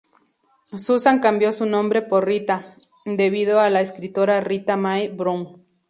Susan cambió su nombre por Rita, debido a la escritora Rita Mae Brown.